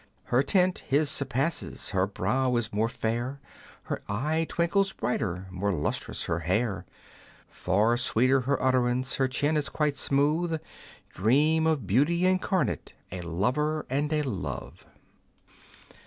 Her tint his surpasses, her brow is more fair, Her eye twinkles brighter, more lustrous her hair ; Far sweeter her utterance, her chin is quite smooth, Dream of Beauty incarnate, a lover and a love